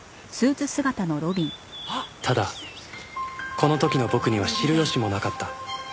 ただこの時の僕には知る由もなかった